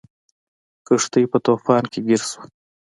کښتۍ په طوفان کې ګیره شوه.